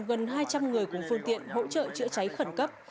gần hai trăm linh người cùng phương tiện hỗ trợ chữa cháy khẩn cấp